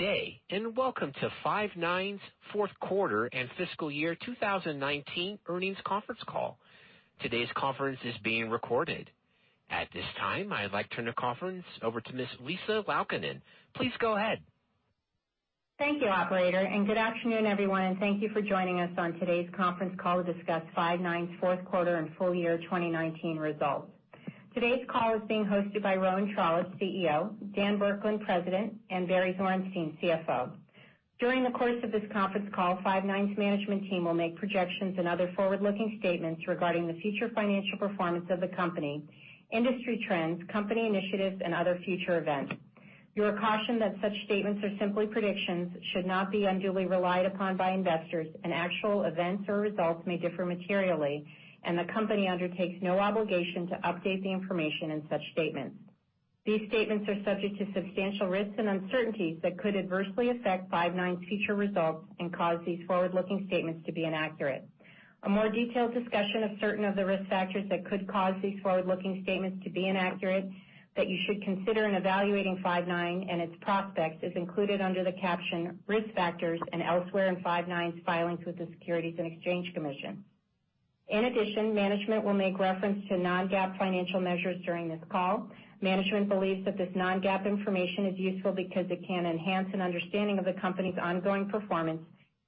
Good day, welcome to Five9's fourth quarter and fiscal year 2019 earnings conference call. Today's conference is being recorded. At this time, I'd like to turn the conference over to Ms. Lisa Laukkanen. Please go ahead. Thank you, operator, and good afternoon, everyone, and thank you for joining us on today's conference call to discuss Five9's fourth quarter and full year 2019 results. Today's call is being hosted by Rowan Trollope, CEO, Dan Burkland, President, and Barry Zwarenstein, CFO. During the course of this conference call, Five9's management team will make projections and other forward-looking statements regarding the future financial performance of the company, industry trends, company initiatives, and other future events. You are cautioned that such statements are simply predictions, should not be unduly relied upon by investors, and actual events or results may differ materially, and the company undertakes no obligation to update the information in such statements. These statements are subject to substantial risks and uncertainties that could adversely affect Five9's future results and cause these forward-looking statements to be inaccurate. A more detailed discussion of certain of the risk factors that could cause these forward-looking statements to be inaccurate, that you should consider in evaluating Five9 and its prospects, is included under the caption Risk Factors and elsewhere in Five9's filings with the Securities and Exchange Commission. In addition, management will make reference to non-GAAP financial measures during this call. Management believes that this non-GAAP information is useful because it can enhance an understanding of the company's ongoing performance,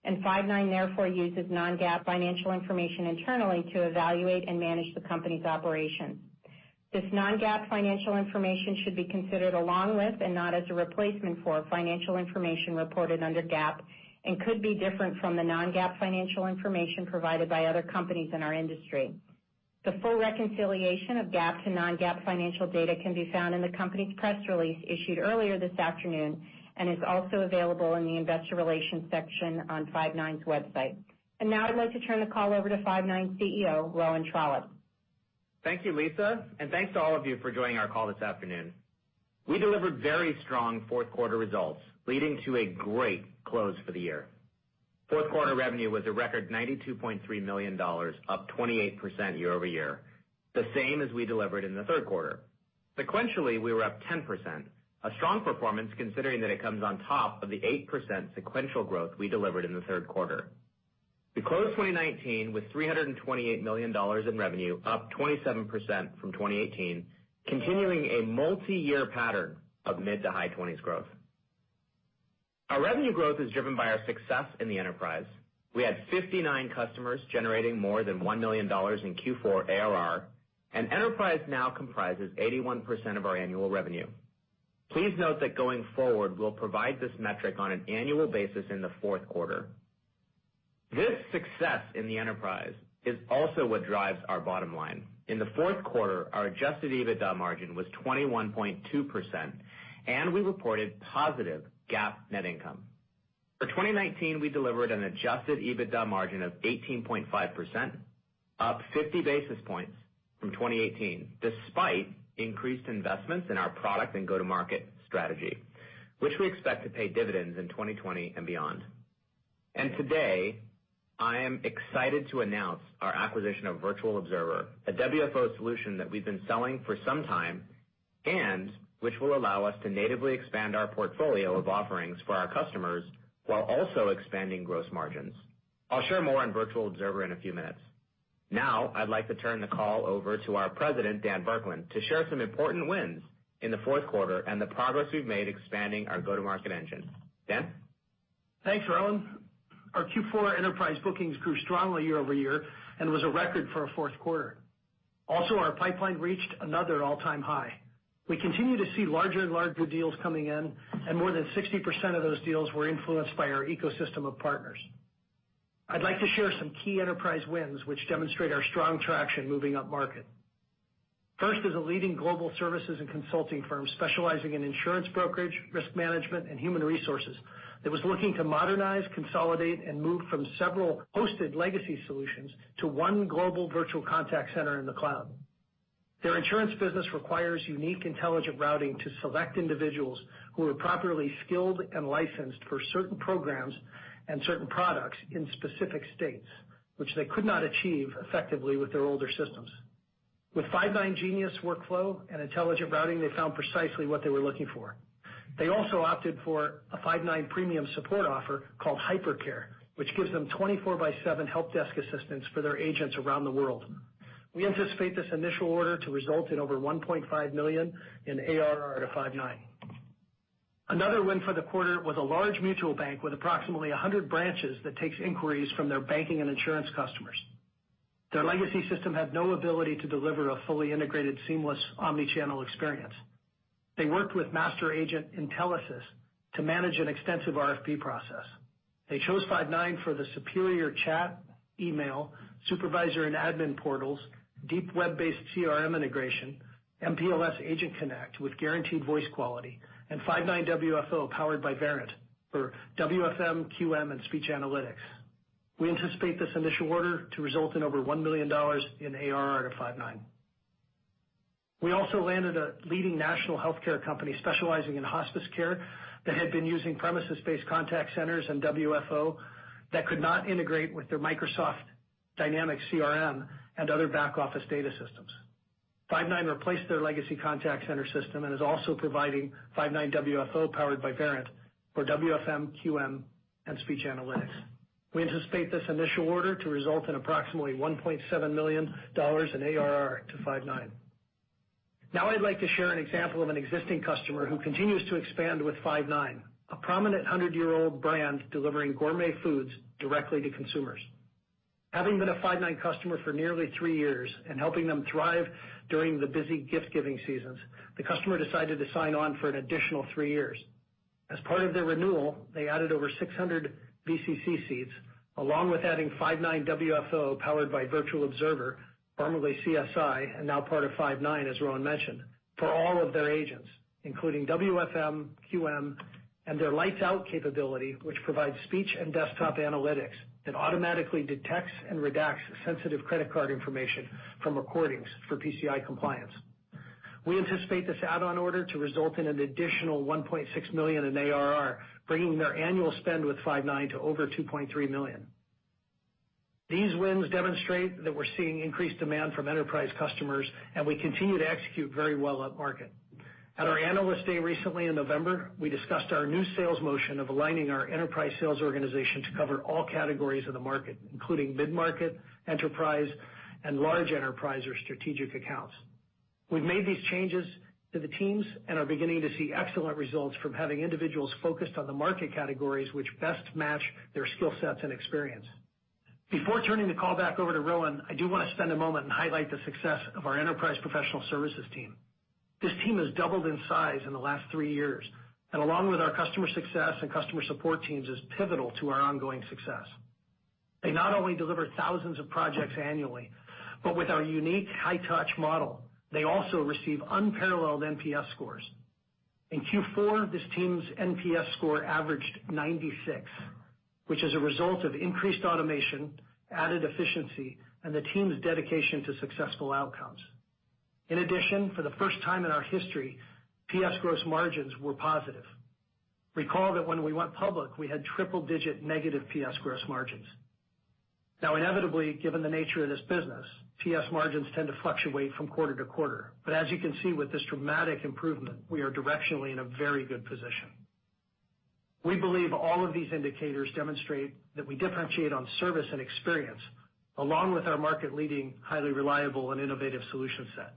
and Five9 therefore uses non-GAAP financial information internally to evaluate and manage the company's operations. This non-GAAP financial information should be considered along with, and not as a replacement for, financial information reported under GAAP and could be different from the non-GAAP financial information provided by other companies in our industry. The full reconciliation of GAAP to non-GAAP financial data can be found in the company's press release issued earlier this afternoon and is also available in the investor relations section on Five9's website. Now I'd like to turn the call over to Five9's CEO, Rowan Trollope. Thank you, Lisa, and thanks to all of you for joining our call this afternoon. We delivered very strong fourth quarter results, leading to a great close for the year. Fourth quarter revenue was a record $92.3 million, up 28% year-over-year, the same as we delivered in the third quarter. Sequentially, we were up 10%, a strong performance considering that it comes on top of the 8% sequential growth we delivered in the third quarter. We closed 2019 with $328 million in revenue, up 27% from 2018, continuing a multiyear pattern of mid-to-high 20s growth. Our revenue growth is driven by our success in the enterprise. We had 59 customers generating more than $1 million in Q4 ARR, and enterprise now comprises 81% of our annual revenue. Please note that going forward, we'll provide this metric on an annual basis in the fourth quarter. This success in the enterprise is also what drives our bottom line. In the fourth quarter, our adjusted EBITDA margin was 21.2%, and we reported positive GAAP net income. For 2019, we delivered an adjusted EBITDA margin of 18.5%, up 50 basis points from 2018, despite increased investments in our product and go-to-market strategy, which we expect to pay dividends in 2020 and beyond. Today, I am excited to announce our acquisition of Virtual Observer, a WFO solution that we've been selling for some time, and which will allow us to natively expand our portfolio of offerings for our customers while also expanding gross margins. I'll share more on Virtual Observer in a few minutes. Now, I'd like to turn the call over to our President, Dan Burkland, to share some important wins in the fourth quarter and the progress we've made expanding our go-to-market engine. Dan? Thanks, Rowan. Our Q4 enterprise bookings grew strongly year-over-year and was a record for a fourth quarter. Also, our pipeline reached another all-time high. We continue to see larger and larger deals coming in, and more than 60% of those deals were influenced by our ecosystem of partners. I'd like to share some key enterprise wins, which demonstrate our strong traction moving upmarket. First is a leading global services and consulting firm specializing in insurance brokerage, risk management, and human resources that was looking to modernize, consolidate, and move from several hosted legacy solutions to one global Virtual Contact Center in the cloud. Their insurance business requires unique, intelligent routing to select individuals who are properly skilled and licensed for certain programs and certain products in specific states, which they could not achieve effectively with their older systems. With Five9 Genius workflow and intelligent routing, they found precisely what they were looking for. They also opted for a Five9 premium support offer called HyperCare, which gives them 24 by seven help desk assistance for their agents around the world. We anticipate this initial order to result in over $1.5 million in ARR to Five9. Another win for the quarter was a large mutual bank with approximately 100 branches that takes inquiries from their banking and insurance customers. Their legacy system had no ability to deliver a fully integrated, seamless omnichannel experience. They worked with master agent, Intelisys, to manage an extensive RFP process. They chose Five9 for the superior chat, email, supervisor, and admin portals, deep web-based CRM integration, MPLS Agent Connect with guaranteed voice quality, and Five9 WFO powered by Verint for WFM, QM, and speech analytics. We anticipate this initial order to result in over $1 million in ARR to Five9. We also landed a leading national healthcare company specializing in hospice care that had been using premises-based contact centers and WFO that could not integrate with their Microsoft Dynamics CRM and other back-office data systems. Five9 replaced their legacy contact center system and is also providing Five9 WFO powered by Verint for WFM, QM, and speech analytics. We anticipate this initial order to result in approximately $1.7 million in ARR to Five9. I'd like to share an example of an existing customer who continues to expand with Five9, a prominent 100-year-old brand delivering gourmet foods directly to consumers. Having been a Five9 customer for nearly three years and helping them thrive during the busy gift-giving seasons, the customer decided to sign on for an additional three years. As part of their renewal, they added over 600 VCC seats, along with adding Five9 WFO, powered by Virtual Observer, formerly CSI, and now part of Five9, as Rowan mentioned, for all of their agents, including WFM, QM, and their lights-out capability, which provides speech and desktop analytics that automatically detects and redacts sensitive credit card information from recordings for PCI compliance. We anticipate this add-on order to result in an additional $1.6 million in ARR, bringing their annual spend with Five9 to over $2.3 million. These wins demonstrate that we're seeing increased demand from enterprise customers, and we continue to execute very well at market. At our Analyst Day recently in November, we discussed our new sales motion of aligning our enterprise sales organization to cover all categories of the market, including mid-market, enterprise, and large enterprise or strategic accounts. We've made these changes to the teams and are beginning to see excellent results from having individuals focused on the market categories which best match their skill sets and experience. Before turning the call back over to Rowan, I do want to spend a moment and highlight the success of our enterprise professional services team. This team has doubled in size in the last three years, and along with our customer success and customer support teams, is pivotal to our ongoing success. They not only deliver thousands of projects annually, but with our unique high-touch model, they also receive unparalleled NPS scores. In Q4, this team's NPS score averaged 96, which is a result of increased automation, added efficiency, and the team's dedication to successful outcomes. In addition, for the first time in our history, PS gross margins were positive. Recall that when we went public, we had triple-digit negative PS gross margins. Inevitably, given the nature of this business, PS margins tend to fluctuate from quarter to quarter. As you can see with this dramatic improvement, we are directionally in a very good position. We believe all of these indicators demonstrate that we differentiate on service and experience, along with our market-leading, highly reliable, and innovative solution set.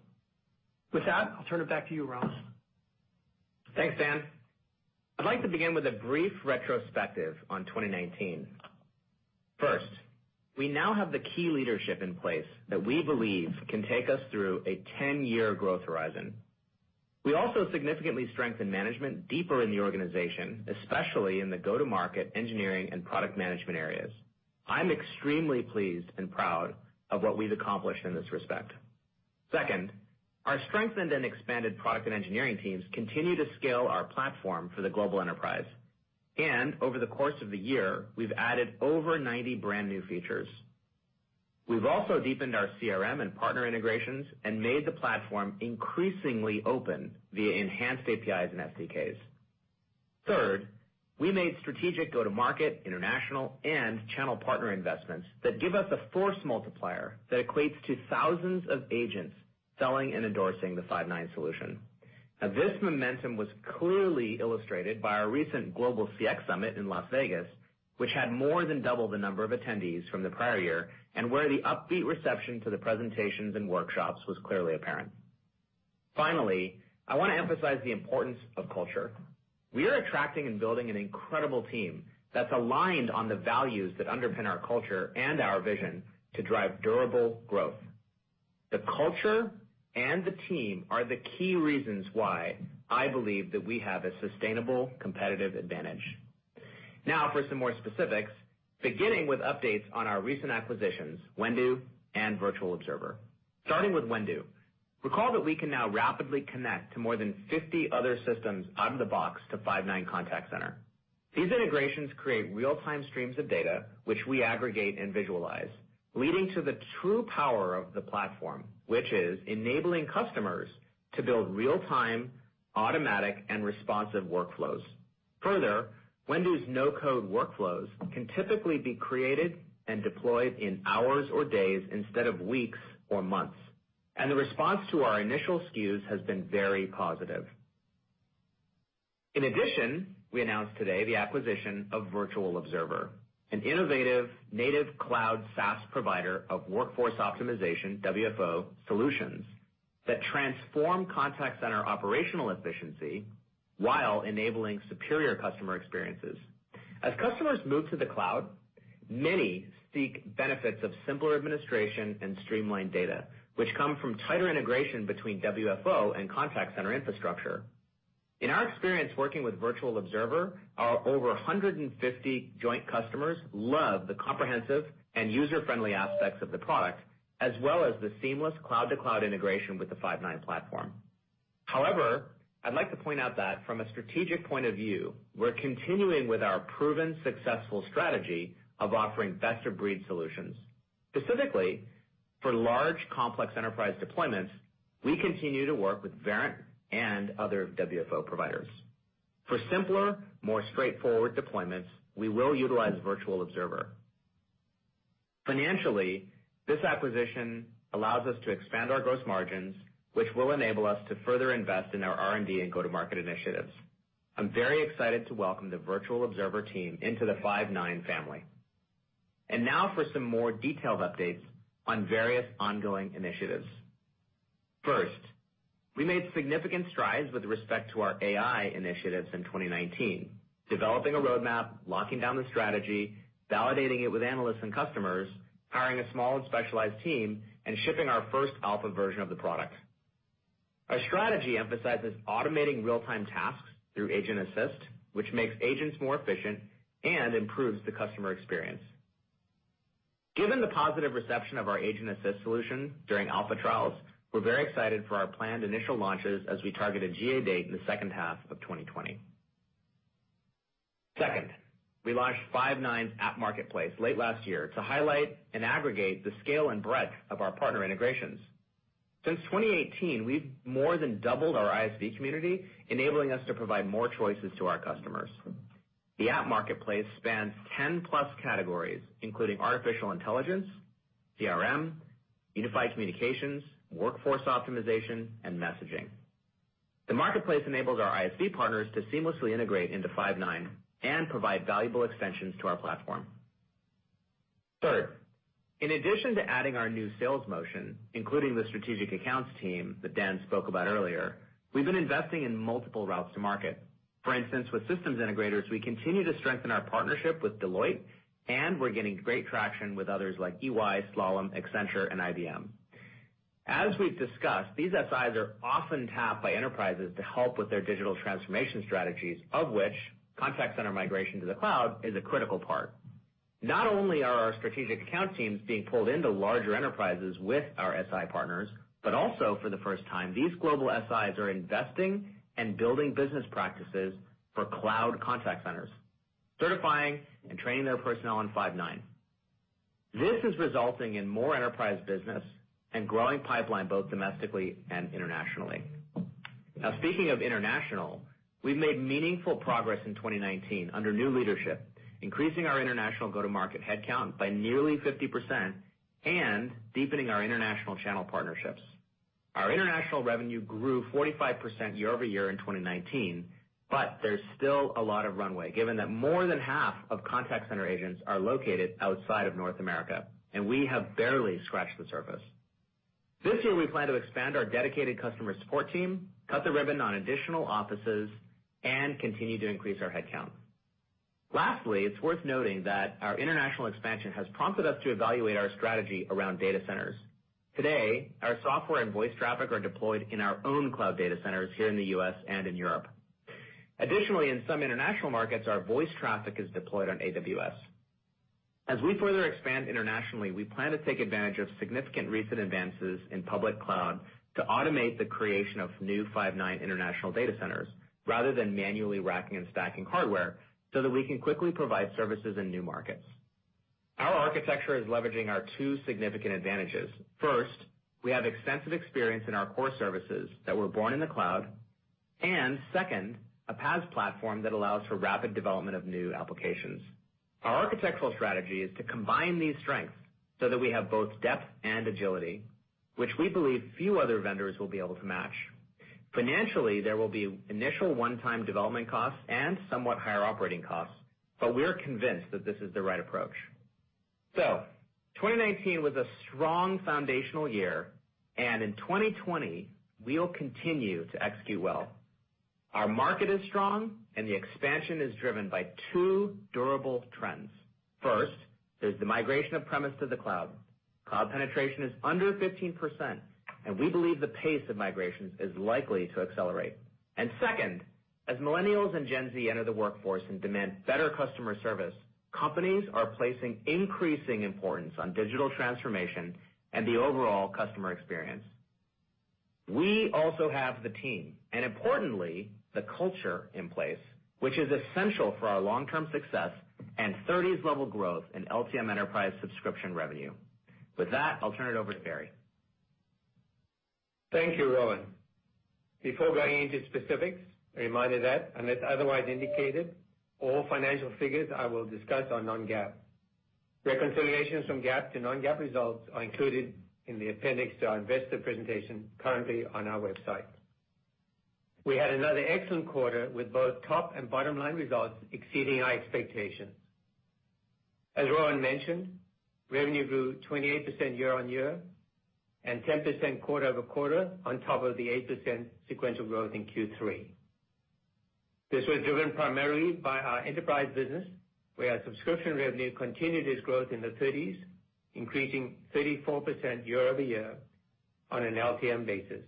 With that, I'll turn it back to you, Rowan. Thanks, Dan. I'd like to begin with a brief retrospective on 2019. First, we now have the key leadership in place that we believe can take us through a 10-year growth horizon. We also significantly strengthened management deeper in the organization, especially in the go-to-market engineering and product management areas. I'm extremely pleased and proud of what we've accomplished in this respect. Second, our strengthened and expanded product and engineering teams continue to scale our platform for the global enterprise. Over the course of the year, we've added over 90 brand-new features. We've also deepened our CRM and partner integrations and made the platform increasingly open via enhanced APIs and SDKs. Third, we made strategic go-to-market, international, and channel partner investments that give us a force multiplier that equates to thousands of agents selling and endorsing the Five9 solution. This momentum was clearly illustrated by our recent Global CX Summit in Las Vegas, which had more than double the number of attendees from the prior year and where the upbeat reception to the presentations and workshops was clearly apparent. Finally, I want to emphasize the importance of culture. We are attracting and building an incredible team that's aligned on the values that underpin our culture and our vision to drive durable growth. The culture and the team are the key reasons why I believe that we have a sustainable competitive advantage. For some more specifics, beginning with updates on our recent acquisitions, Whendu and Virtual Observer. Starting with Whendu, recall that we can now rapidly connect to more than 50 other systems out of the box to Five9 contact center. These integrations create real-time streams of data, which we aggregate and visualize, leading to the true power of the platform, which is enabling customers to build real-time, automatic, and responsive workflows. Further, Whendu's no-code workflows can typically be created and deployed in hours or days instead of weeks or months, and the response to our initial SKUs has been very positive. In addition, we announced today the acquisition of Virtual Observer, an innovative native cloud SaaS provider of workforce optimization, WFO, solutions that transform contact center operational efficiency while enabling superior customer experiences. As customers move to the cloud, many seek benefits of simpler administration and streamlined data, which come from tighter integration between WFO and contact center infrastructure. In our experience working with Virtual Observer, our over 150 joint customers love the comprehensive and user-friendly aspects of the product, as well as the seamless cloud-to-cloud integration with the Five9 platform. However, I'd like to point out that from a strategic point of view, we're continuing with our proven successful strategy of offering best-of-breed solutions. Specifically, for large, complex enterprise deployments, we continue to work with Verint and other WFO providers. For simpler, more straightforward deployments, we will utilize Virtual Observer. Financially, this acquisition allows us to expand our gross margins, which will enable us to further invest in our R&D and go-to-market initiatives. I'm very excited to welcome the Virtual Observer team into the Five9 family. Now for some more detailed updates on various ongoing initiatives. First, we made significant strides with respect to our AI initiatives in 2019, developing a roadmap, locking down the strategy, validating it with analysts and customers, hiring a small and specialized team, and shipping our first alpha version of the product. Our strategy emphasizes automating real-time tasks through Agent Assist, which makes agents more efficient and improves the customer experience. Given the positive reception of our Agent Assist solution during alpha trials, we're very excited for our planned initial launches as we target a GA date in the second half of 2020. Second, we launched Five9's App Marketplace late last year to highlight and aggregate the scale and breadth of our partner integrations. Since 2018, we've more than doubled our ISV community, enabling us to provide more choices to our customers. The App Marketplace spans 10+ categories, including artificial intelligence, CRM, Unified Communications, Workforce Optimization, and messaging. The marketplace enables our ISV partners to seamlessly integrate into Five9 and provide valuable extensions to our platform. Third, in addition to adding our new sales motion, including the strategic accounts team that Dan spoke about earlier, we've been investing in multiple routes to market. For instance, with systems integrators, we continue to strengthen our partnership with Deloitte, and we're getting great traction with others like EY, Slalom, Accenture, and IBM. As we've discussed, these SIs are often tapped by enterprises to help with their digital transformation strategies, of which contact center migration to the cloud is a critical part. Not only are our strategic account teams being pulled into larger enterprises with our SI partners, but also for the first time, these global SIs are investing and building business practices for cloud contact centers, certifying and training their personnel on Five9. Speaking of international, we've made meaningful progress in 2019 under new leadership, increasing our international go-to-market headcount by nearly 50% and deepening our international channel partnerships. Our international revenue grew 45% year-over-year in 2019, but there's still a lot of runway, given that more than half of contact center agents are located outside of North America, and we have barely scratched the surface. This year, we plan to expand our dedicated customer support team, cut the ribbon on additional offices, and continue to increase our headcount. Lastly, it's worth noting that our international expansion has prompted us to evaluate our strategy around data centers. Today, our software and voice traffic are deployed in our own cloud data centers here in the U.S. and in Europe. Additionally, in some international markets, our voice traffic is deployed on AWS. As we further expand internationally, we plan to take advantage of significant recent advances in public cloud to automate the creation of new Five9 international data centers rather than manually racking and stacking hardware so that we can quickly provide services in new markets. Our architecture is leveraging our two significant advantages. First, we have extensive experience in our core services that were born in the cloud, and second, a PaaS platform that allows for rapid development of new applications. Our architectural strategy is to combine these strengths so that we have both depth and agility, which we believe few other vendors will be able to match. Financially, there will be initial one-time development costs and somewhat higher operating costs, but we're convinced that this is the right approach. 2019 was a strong foundational year, and in 2020, we'll continue to execute well. Our market is strong, and the expansion is driven by two durable trends. First, there's the migration of premise to the cloud. cloud penetration is under 15%, and we believe the pace of migrations is likely to accelerate. Second, as millennials and Gen Z enter the workforce and demand better customer service, companies are placing increasing importance on digital transformation and the overall customer experience. We also have the team, and importantly, the culture in place, which is essential for our long-term success and 30s level growth in LTM enterprise subscription revenue. With that, I'll turn it over to Barry. Thank you, Rowan. Before going into specifics, a reminder that unless otherwise indicated, all financial figures I will discuss are non-GAAP. Reconciliations from GAAP to non-GAAP results are included in the appendix to our investor presentation currently on our website. We had another excellent quarter with both top and bottom-line results exceeding our expectations. As Rowan mentioned, revenue grew 28% year-over-year and 10% quarter-over-quarter on top of the 8% sequential growth in Q3. This was driven primarily by our enterprise business, where our subscription revenue continued its growth in the 30s, increasing 34% year-over-year on an LTM basis.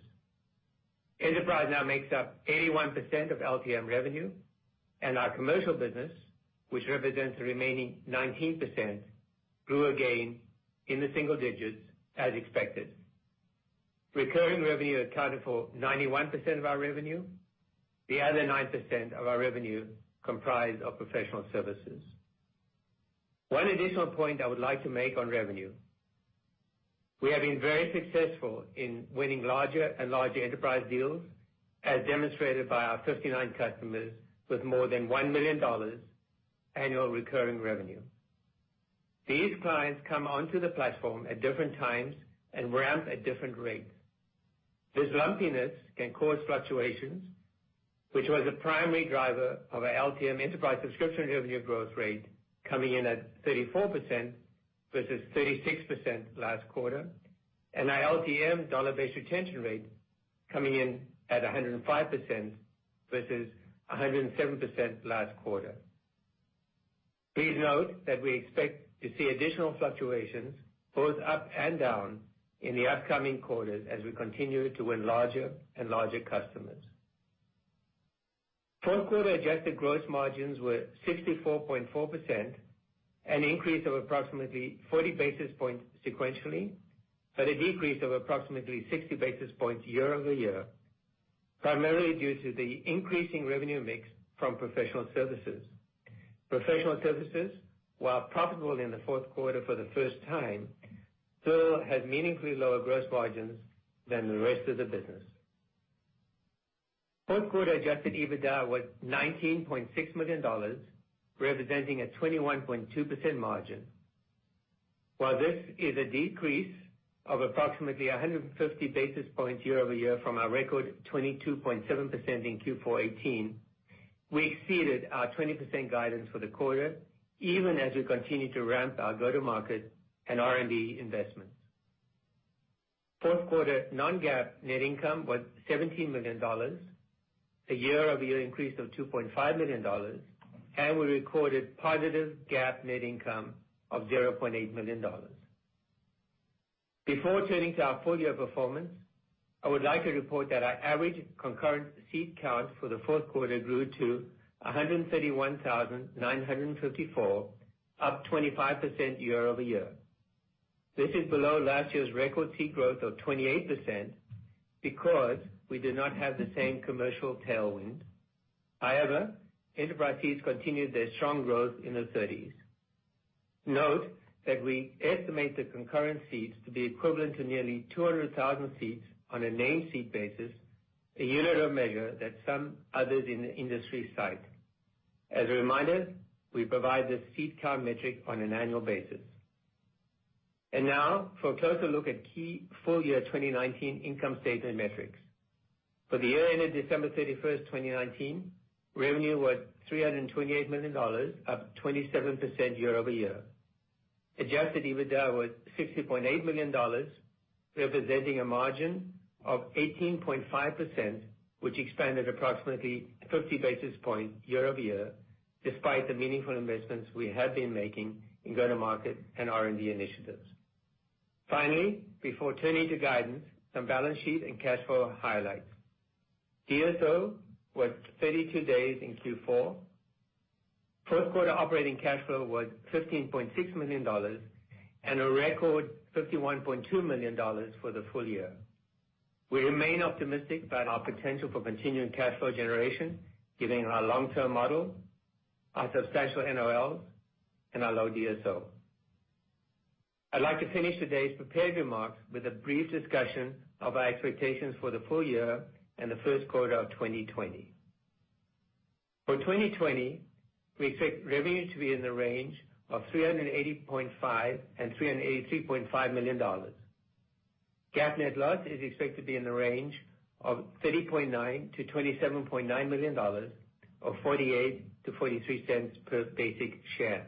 Enterprise now makes up 81% of LTM revenue, and our commercial business, which represents the remaining 19%, grew again in the single digits as expected. Recurring revenue accounted for 91% of our revenue. The other 9% of our revenue comprised of professional services. One additional point I would like to make on revenue. We are being very successful in winning larger and larger enterprise deals, as demonstrated by our 59 customers with more than $1 million annual recurring revenue. These clients come onto the platform at different times and ramp at different rates. This lumpiness can cause fluctuations, which was a primary driver of our LTM enterprise subscription revenue growth rate coming in at 34% versus 36% last quarter, and our LTM dollar-based retention rate coming in at 105% versus 107% last quarter. Please note that we expect to see additional fluctuations both up and down in the upcoming quarters as we continue to win larger and larger customers. Fourth quarter adjusted gross margins were 64.4%, an increase of approximately 40 basis points sequentially, but a decrease of approximately 60 basis points year-over-year, primarily due to the increasing revenue mix from professional services. Professional services, while profitable in the fourth quarter for the first time, still has meaningfully lower gross margins than the rest of the business. Fourth quarter adjusted EBITDA was $19.6 million, representing a 21.2% margin. While this is a decrease of approximately 150 basis points year-over-year from our record 22.7% in Q4 2018, we exceeded our 20% guidance for the quarter, even as we continue to ramp our go-to-market and R&D investments. Fourth quarter non-GAAP net income was $17 million, a year-over-year increase of $2.5 million, and we recorded positive GAAP net income of $0.8 million. Before turning to our full-year performance, I would like to report that our average concurrent seat count for the fourth quarter grew to 131,954, up 25% year-over-year. This is below last year's record seat growth of 28% because we did not have the same commercial tailwind. Enterprise seats continued their strong growth in the 30s. Note that we estimate the concurrent seats to be equivalent to nearly 200,000 seats on a named seat basis, a unit of measure that some others in the industry cite. As a reminder, we provide this seat count metric on an annual basis. Now for a closer look at key full-year 2019 income statement metrics. For the year ending December 31st, 2019, revenue was $328 million, up 27% year-over-year. Adjusted EBITDA was $60.8 million, representing a margin of 18.5%, which expanded approximately 50 basis points year-over-year, despite the meaningful investments we have been making in go-to market and R&D initiatives. Before turning to guidance, some balance sheet and cash flow highlights. DSO was 32 days in Q4. First quarter operating cash flow was $15.6 million and a record $51.2 million for the full year. We remain optimistic about our potential for continuing cash flow generation, given our long-term model, our substantial NOLs, and our low DSO. I'd like to finish today's prepared remarks with a brief discussion of our expectations for the full year and the first quarter of 2020. For 2020, we expect revenue to be in the range of $380.5 million-$383.5 million. GAAP net loss is expected to be in the range of $30.9 million-$27.9 million, or $0.48-$0.43 per basic share.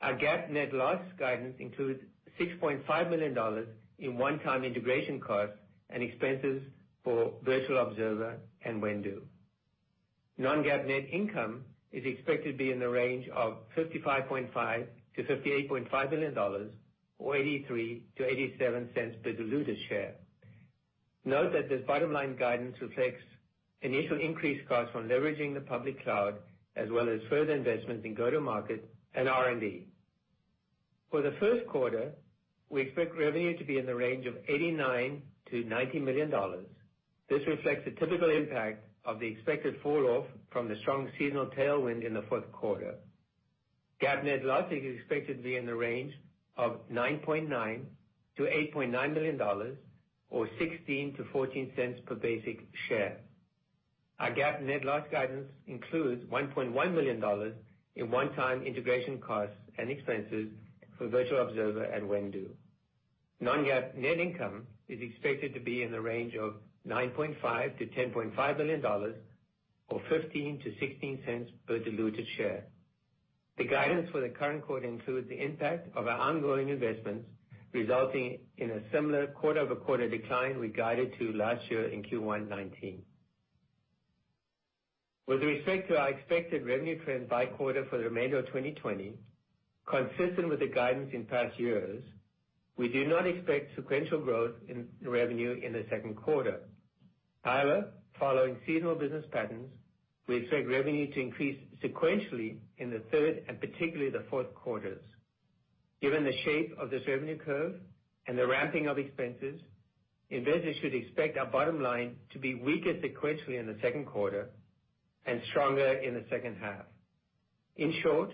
Our GAAP net loss guidance includes $6.5 million in one-time integration costs and expenses for Virtual Observer and Whendu. Non-GAAP net income is expected to be in the range of $55.5 million-$58.5 million, or $0.83-$0.87 per diluted share. Note that this bottom line guidance reflects initial increased costs from leveraging the public cloud, as well as further investments in go-to market and R&D. For the first quarter, we expect revenue to be in the range of $89 million-$90 million. This reflects the typical impact of the expected fall off from the strong seasonal tailwind in the fourth quarter. GAAP net loss is expected to be in the range of $9.9 million-$8.9 million, or $0.16-$0.14 per basic share. Our GAAP net loss guidance includes $1.1 million in one-time integration costs and expenses for Virtual Observer and Whendu. Non-GAAP net income is expected to be in the range of $9.5 million-$10.5 million, or $0.15-$0.16 per diluted share. The guidance for the current quarter includes the impact of our ongoing investments, resulting in a similar quarter-over-quarter decline we guided to last year in Q1 2019. With respect to our expected revenue trend by quarter for the remainder of 2020, consistent with the guidance in past years, we do not expect sequential growth in revenue in the second quarter. However, following seasonal business patterns, we expect revenue to increase sequentially in the third and particularly the fourth quarters. Given the shape of this revenue curve and the ramping of expenses, investors should expect our bottom line to be weaker sequentially in the second quarter and stronger in the second half. In short,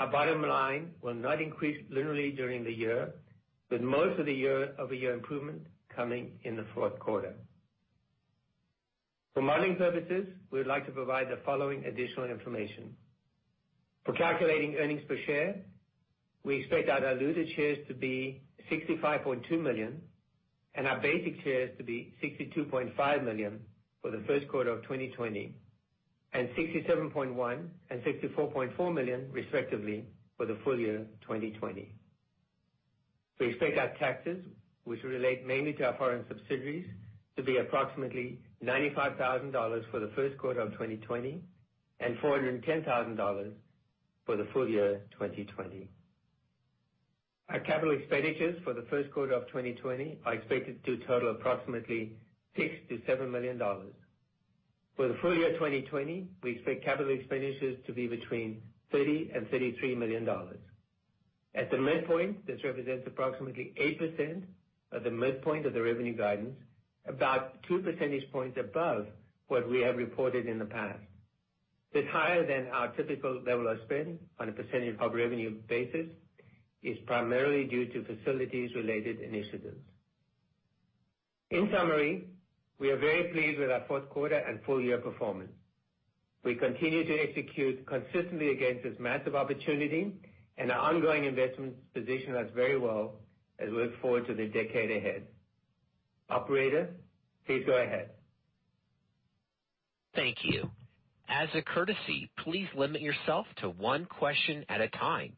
our bottom line will not increase linearly during the year, with most of the year-over-year improvement coming in the fourth quarter. For modeling purposes, we would like to provide the following additional information. For calculating earnings per share, we expect our diluted shares to be 65.2 million and our basic shares to be 62.5 million for the first quarter of 2020, and 67.1 and 64.4 million, respectively, for the full year 2020. We expect our taxes, which relate mainly to our foreign subsidiaries, to be approximately $95,000 for the first quarter of 2020 and $410,000 for the full year 2020. Our capital expenditures for the first quarter of 2020 are expected to total approximately $6 million-$7 million. For the full year 2020, we expect capital expenditures to be between $30 million and $33 million. At the midpoint, this represents approximately 8% of the midpoint of the revenue guidance, about 2 percentage points above what we have reported in the past. It's higher than our typical level of spend on a percentage of revenue basis, is primarily due to facilities-related initiatives. In summary, we are very pleased with our fourth quarter and full year performance. We continue to execute consistently against this massive opportunity, and our ongoing investments position us very well as we look forward to the decade ahead. Operator, please go ahead. Thank you. As a courtesy, please limit yourself to one question at a time.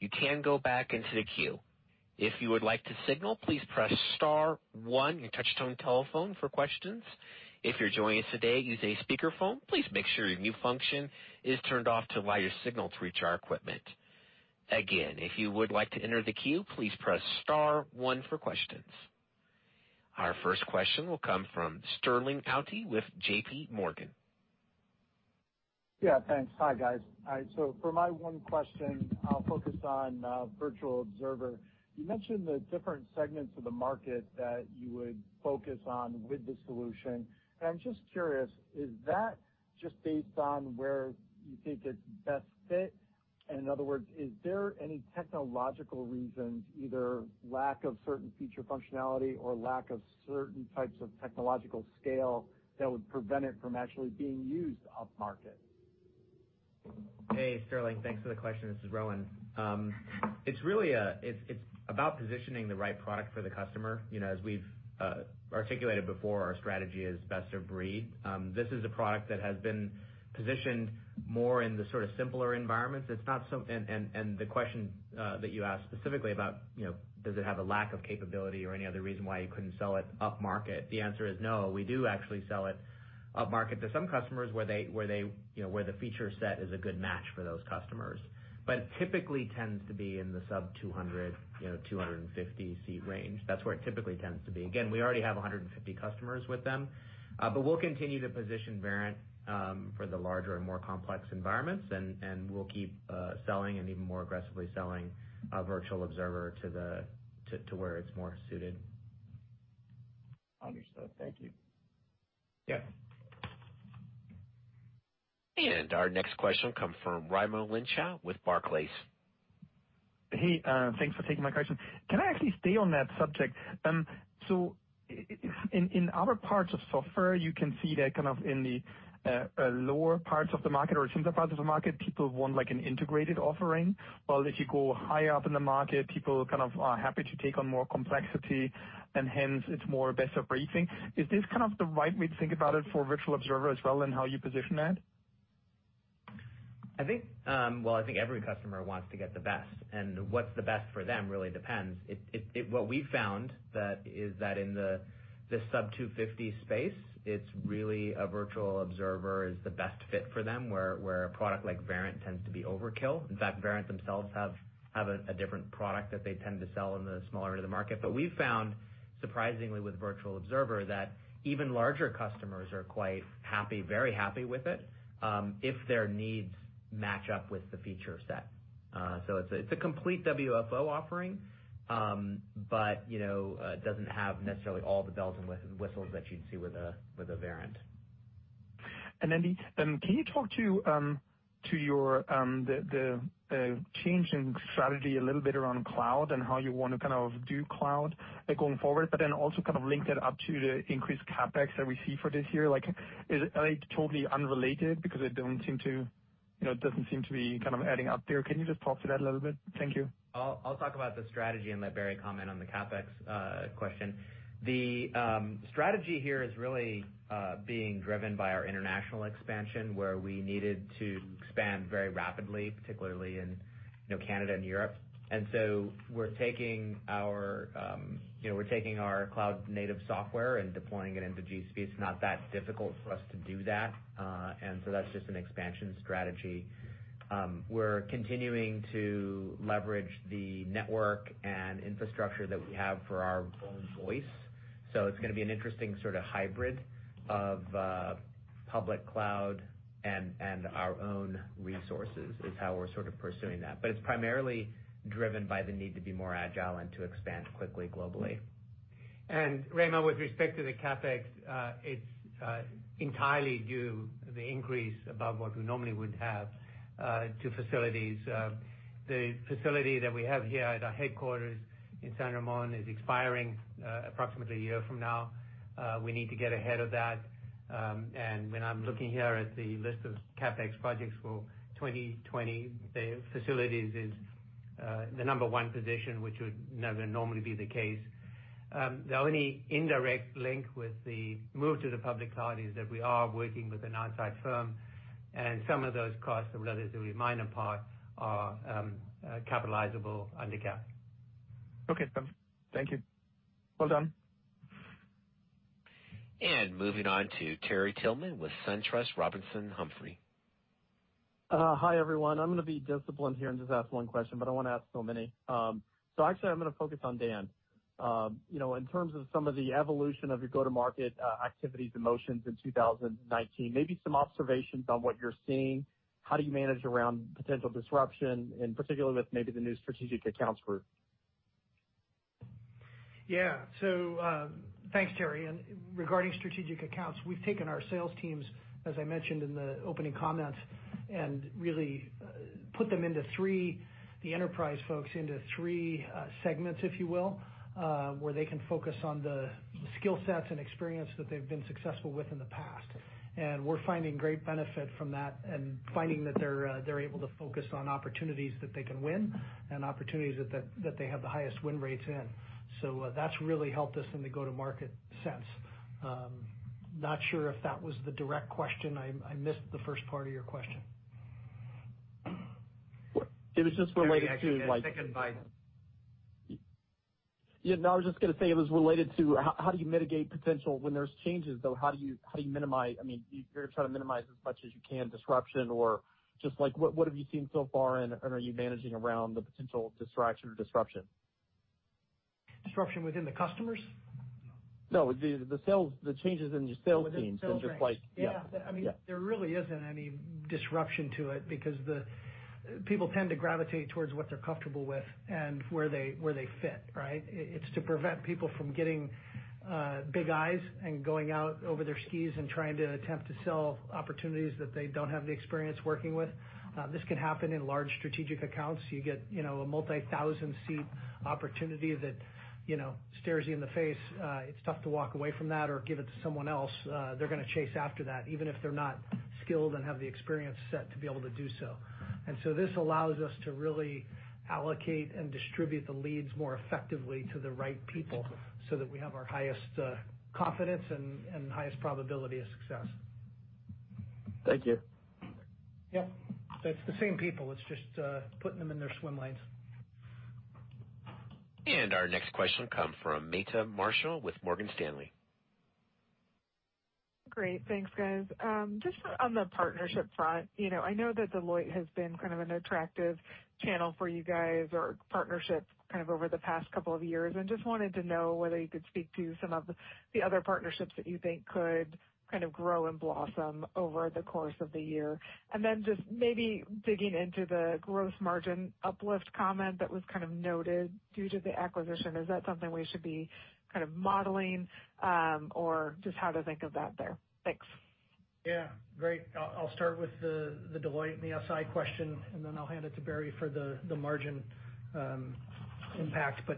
You can go back into the queue. If you would like to signal, please press star one your touch-tone telephone for questions. If you're joining us today using a speakerphone, please make sure your mute function is turned off to allow your signal to reach our equipment. Again, if you would like to enter the queue, please press star one for questions. Our first question will come from Sterling Auty with JPMorgan. Yeah, thanks. Hi, guys. For my one question, I'll focus on Virtual Observer. You mentioned the different segments of the market that you would focus on with the solution, and I'm just curious, is that just based on where you think it's best fit? In other words, is there any technological reasons, either lack of certain feature functionality or lack of certain types of technological scale, that would prevent it from actually being used up market? Hey, Sterling. Thanks for the question. This is Rowan. It's about positioning the right product for the customer. As we've articulated before, our strategy is best of breed. This is a product that has been positioned more in the simpler environments. The question that you asked specifically about does it have a lack of capability or any other reason why you couldn't sell it up market? The answer is no. We do actually sell it up market to some customers where the feature set is a good match for those customers. It typically tends to be in the sub 200, 250 seat range. That's where it typically tends to be. Again, we already have 150 customers with them. We'll continue to position Verint for the larger and more complex environments, and we'll keep selling and even more aggressively selling Virtual Observer to where it's more suited. Understood. Thank you. Yeah. Our next question comes from Raimo Lenschow with Barclays. Hey, thanks for taking my question. Can I actually stay on that subject? In other parts of software, you can see that kind of in the lower parts of the market or simpler parts of the market, people want an integrated offering. While if you go higher up in the market, people are happy to take on more complexity and hence it's more best of breed. Is this the right way to think about it for Virtual Observer as well, and how you position that? I think every customer wants to get the best, and what's the best for them really depends. What we've found is that in the sub 250 space, it's really a Virtual Observer is the best fit for them, where a product like Verint tends to be overkill. In fact, Verint themselves have a different product that they tend to sell in the smaller end of the market. We've found, surprisingly, with Virtual Observer, that even larger customers are quite happy, very happy with it, if their needs match up with the feature set. It's a complete WFO offering. It doesn't have necessarily all the bells and whistles that you'd see with a Verint. Can you talk to the change in strategy a little bit around cloud and how you want to do cloud going forward, also link that up to the increased CapEx that we see for this year? Is it totally unrelated because it doesn't seem to be adding up there? Can you just talk to that a little bit? Thank you. I'll talk about the strategy and let Barry comment on the CapEx question. The strategy here is really being driven by our international expansion, where we needed to expand very rapidly, particularly in Canada and Europe. We're taking our cloud native software and deploying it into GCP. It's not that difficult for us to do that. That's just an expansion strategy. We're continuing to leverage the network and infrastructure that we have for our own voice. It's going to be an interesting sort of hybrid of public cloud and our own resources, is how we're sort of pursuing that. It's primarily driven by the need to be more agile and to expand quickly globally. Raimo, with respect to the CapEx, it's entirely due the increase above what we normally would have to facilities. The facility that we have here at our headquarters in San Ramon is expiring approximately a year from now. We need to get ahead of that. When I'm looking here at the list of CapEx projects for 2020, the facilities is the number 1 position, which would never normally be the case. The only indirect link with the move to the public cloud is that we are working with an outside firm, and some of those costs, relatively minor part, are capitalizable under GAAP. Okay. Thank you. Well done. Moving on to Terry Tillman with SunTrust Robinson Humphrey. Hi, everyone. I'm going to be disciplined here and just ask one question, but I want to ask so many. Actually, I'm going to focus on Dan. In terms of some of the evolution of your go-to-market activities and motions in 2019, maybe some observations on what you're seeing, how do you manage around potential disruption, and particularly with maybe the new Strategic Accounts Group? Thanks, Terry, and regarding strategic accounts, we've taken our sales teams, as I mentioned in the opening comments, and really put the enterprise folks into three segments, if you will, where they can focus on the skill sets and experience that they've been successful with in the past. We're finding great benefit from that and finding that they're able to focus on opportunities that they can win and opportunities that they have the highest win rates in. That's really helped us in the go-to-market sense. Not sure if that was the direct question. I missed the first part of your question. It was just related to like Terry actually got taken by- Yeah, no, I was just going to say it was related to how do you mitigate potential when there's changes, though, how do you minimize, I mean, you're trying to minimize as much as you can disruption or just like what have you seen so far, and are you managing around the potential distraction or disruption? Disruption within the customers? No, the changes in your sales teams- Within the sales ranks. Yeah. I mean, there really isn't any disruption to it because the people tend to gravitate towards what they're comfortable with and where they fit, right? It's to prevent people from getting big eyes and going out over their skis and trying to attempt to sell opportunities that they don't have the experience working with. This can happen in large strategic accounts. You get a multi-thousand seat opportunity that stares you in the face. It's tough to walk away from that or give it to someone else. They're going to chase after that, even if they're not skilled and have the experience set to be able to do so. This allows us to really allocate and distribute the leads more effectively to the right people so that we have our highest confidence and highest probability of success. Thank you. Yep. It's the same people. It's just putting them in their swim lanes. Our next question comes from Meta Marshall with Morgan Stanley. Great. Thanks, guys. On the partnership front, I know that Deloitte has been kind of an attractive channel for you guys or partnership over the past couple of years, wanted to know whether you could speak to some of the other partnerships that you think could grow and blossom over the course of the year. Maybe digging into the gross margin uplift comment that was kind of noted due to the acquisition. Is that something we should be modeling? How to think of that there? Thanks. Yeah. Great. I'll start with the Deloitte and the SI question, and then I'll hand it to Barry for the margin impact.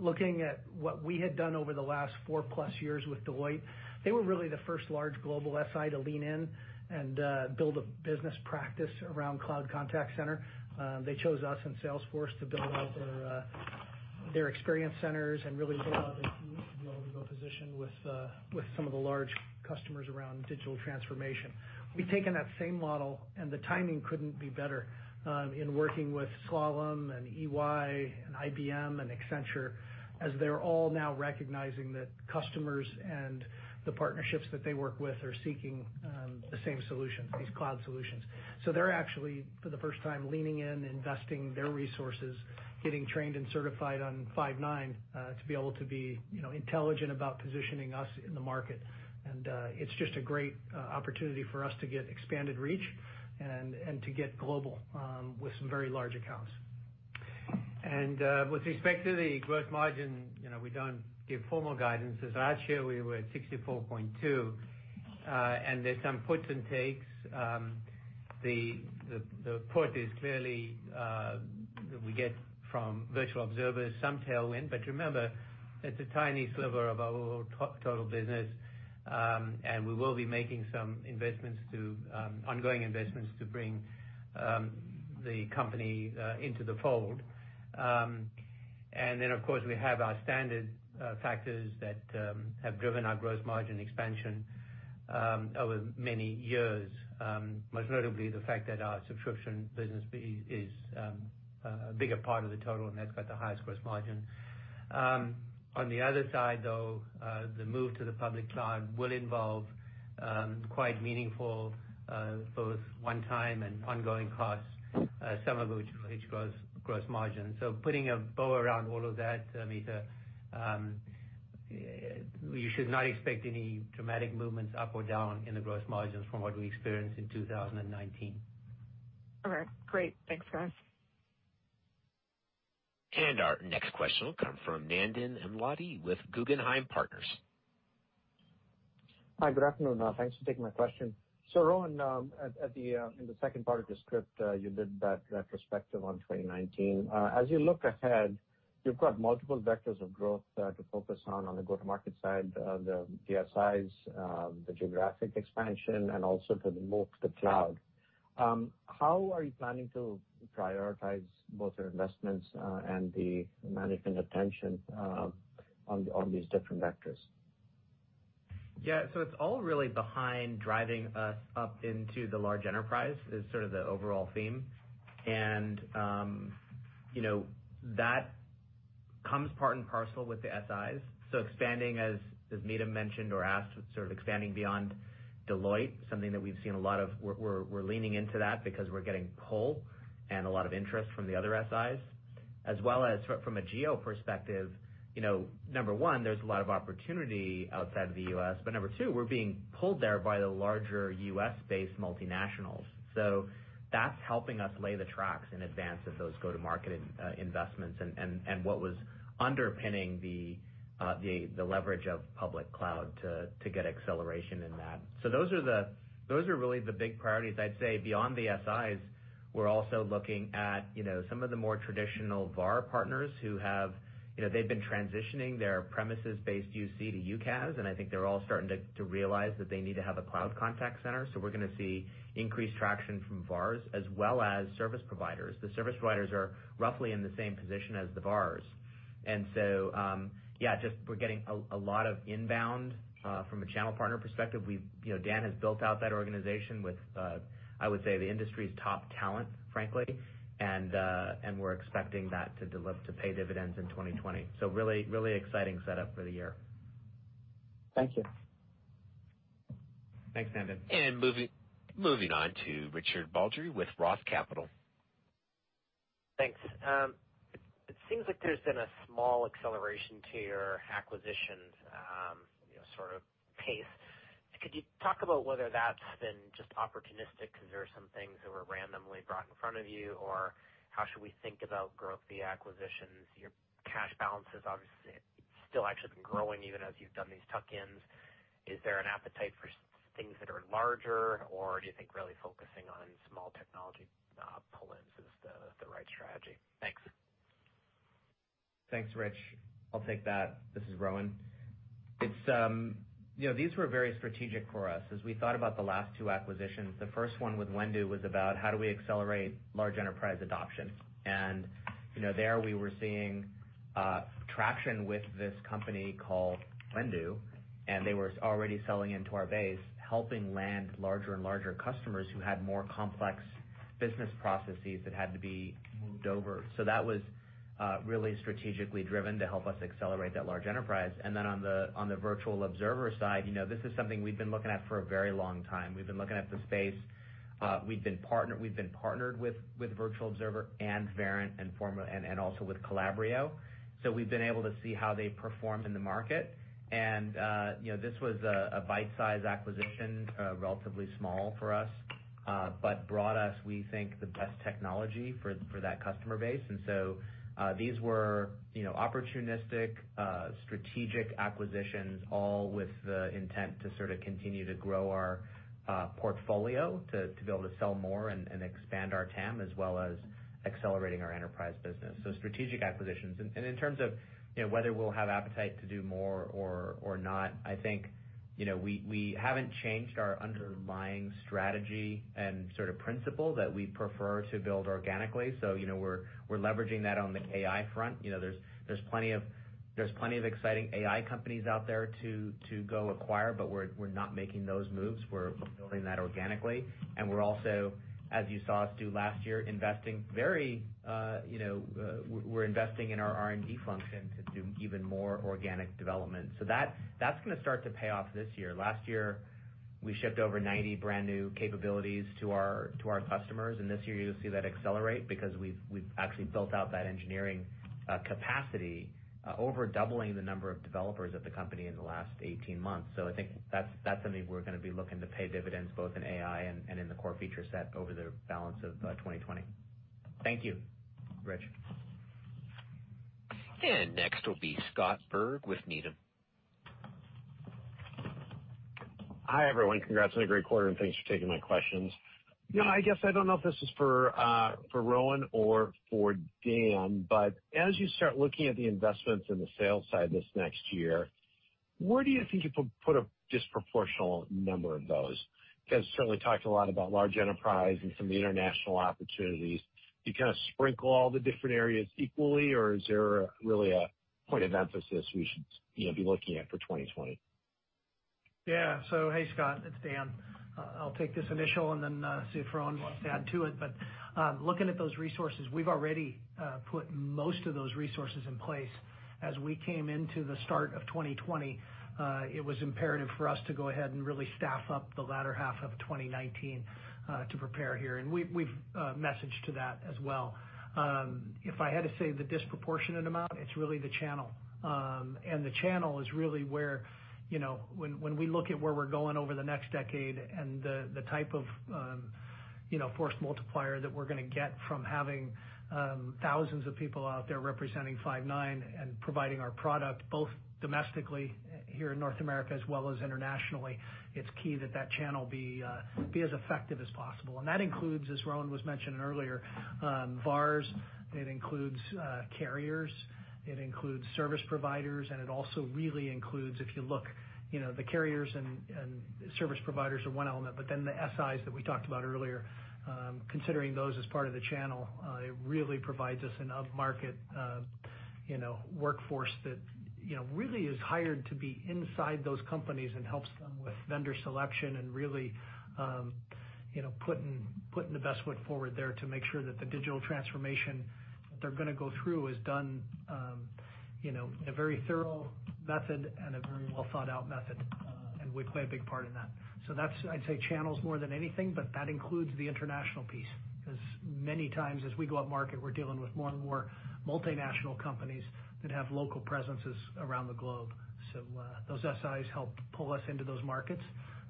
Looking at what we had done over the last 4+ years with Deloitte, they were really the first large global SI to lean in and build a business practice around cloud contact center. They chose us and Salesforce to build out their experience centers and really build out a global go-to-position with some of the large customers around digital transformation. We've taken that same model, and the timing couldn't be better, in working with Slalom and EY and IBM and Accenture, as they're all now recognizing that customers and the partnerships that they work with are seeking the same solutions, these cloud solutions. They're actually, for the first time, leaning in, investing their resources, getting trained and certified on Five9 to be able to be intelligent about positioning us in the market. It's just a great opportunity for us to get expanded reach and to get global with some very large accounts. With respect to the gross margin, we don't give formal guidance. As I shared, we were at 64.2%, and there's some puts and takes. The put is clearly that we get from Virtual Observer some tailwind, but remember, it's a tiny sliver of our total business, and we will be making some ongoing investments to bring the company into the fold. Of course, we have our standard factors that have driven our gross margin expansion over many years. Most notably the fact that our subscription business is a bigger part of the total, and that's got the highest gross margin. On the other side, though, the move to the public cloud will involve quite meaningful both one-time and ongoing costs, some of which will hit gross margin. Putting a bow around all of that, Meta, you should not expect any dramatic movements up or down in the gross margins from what we experienced in 2019. All right. Great. Thanks, guys. Our next question will come from Nandan Amladi with Guggenheim Partners. Hi. Good afternoon. Thanks for taking my question. Rowan, in the second part of your script, you did that retrospective on 2019. As you look ahead, you've got multiple vectors of growth to focus on the go-to-market side, the SIs, the geographic expansion, and also for the move to cloud. How are you planning to prioritize both your investments and the management attention on these different vectors? Yeah. It's all really behind driving us up into the large enterprise, is sort of the overall theme. That comes part and parcel with the SIs. Expanding, as Meta mentioned or asked, sort of expanding beyond Deloitte, something that we've seen a lot of. We're leaning into that because we're getting pull and a lot of interest from the other SIs. As well as from a geo perspective, number 1, there's a lot of opportunity outside of the U.S., but number 2, we're being pulled there by the larger U.S.-based multinationals. That's helping us lay the tracks in advance of those go-to-market investments, and what was underpinning the leverage of public cloud to get acceleration in that. Those are really the big priorities. I'd say beyond the SIs, we're also looking at some of the more traditional VAR partners who have been transitioning their premises-based UC to UCaaS, and I think they're all starting to realize that they need to have a cloud contact center. The service providers are roughly in the same position as the VARs. Yeah, we're getting a lot of inbound from a channel partner perspective. Dan has built out that organization with, I would say, the industry's top talent, frankly. We're expecting that to pay dividends in 2020. Really exciting setup for the year. Thank you. Thanks, Nandan. Moving on to Richard Baldry with ROTH Capital. Thanks. It seems like there's been a small acceleration to your acquisitions pace. Could you talk about whether that's been just opportunistic because there are some things that were randomly brought in front of you, or how should we think about growth via acquisitions? Your cash balance is obviously still actually growing even as you've done these tuck-ins. Is there an appetite for things that are larger, or do you think really focusing on small technology pull-ins is the right strategy? Thanks. Thanks, Rich. I'll take that. This is Rowan. These were very strategic for us. As we thought about the last two acquisitions, the first one with Whendu was about how do we accelerate large enterprise adoption. There we were seeing traction with this company called Whendu, and they were already selling into our base, helping land larger and larger customers who had more complex business processes that had to be moved over. That was really strategically driven to help us accelerate that large enterprise. Then on the Virtual Observer side, this is something we've been looking at for a very long time. We've been looking at the space. We've been partnered with Virtual Observer and Verint and also with Calabrio. We've been able to see how they perform in the market. This was a bite-size acquisition, relatively small for us, but brought us, we think, the best technology for that customer base. These were opportunistic, strategic acquisitions, all with the intent to sort of continue to grow our portfolio to be able to sell more and expand our TAM, as well as accelerating our enterprise business. Strategic acquisitions. In terms of whether we'll have appetite to do more or not, I think we haven't changed our underlying strategy and principle that we prefer to build organically. We're leveraging that on the AI front. There's plenty of exciting AI companies out there to go acquire, but we're not making those moves. We're building that organically. We're also, as you saw us do last year, investing in our R&D function to do even more organic development. That's going to start to pay off this year. Last year, we shipped over 90 brand-new capabilities to our customers. This year you'll see that accelerate because we've actually built out that engineering capacity, over doubling the number of developers at the company in the last 18 months. I think that's something we're going to be looking to pay dividends both in AI and in the core feature set over the balance of 2020. Thank you, Rich. Next will be Scott Berg with Needham. Hi, everyone. Congrats on a great quarter, thanks for taking my questions. I guess I don't know if this is for Rowan or for Dan, as you start looking at the investments in the sales side this next year, where do you think you put a disproportional number of those? You certainly talked a lot about large enterprise and some of the international opportunities. Do you kind of sprinkle all the different areas equally, or is there really a point of emphasis we should be looking at for 2020? Hey, Scott, it's Dan. I'll take this initial and then see if Rowan wants to add to it. Looking at those resources, we've already put most of those resources in place. As we came into the start of 2020, it was imperative for us to go ahead and really staff up the latter half of 2019 to prepare here, and we've messaged to that as well. If I had to say the disproportionate amount, it's really the channel. The channel is really where, when we look at where we're going over the next decade and the type of force multiplier that we're going to get from having thousands of people out there representing Five9 and providing our product both domestically here in North America as well as internationally. It's key that that channel be as effective as possible. That includes, as Rowan was mentioning earlier, VARs. It includes carriers, it includes service providers, it also really includes, if you look, the carriers and service providers are one element, the SIs that we talked about earlier, considering those as part of the channel, it really provides us an upmarket workforce that really is hired to be inside those companies and helps them with vendor selection and really putting the best foot forward there to make sure that the digital transformation that they're going to go through is done in a very thorough method and a very well-thought-out method. We play a big part in that. That's, I'd say, channels more than anything, but that includes the international piece, because many times as we go upmarket, we're dealing with more and more multinational companies that have local presences around the globe. Those SIs help pull us into those markets,